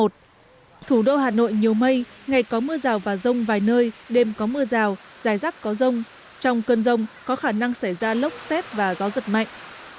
thủ đô hà nội nhiều mây ngày có mưa rào và rông vài nơi đêm có mưa rào dài rác có rông trong cơn rông có khả năng xảy ra lốc xét và gió giật mạnh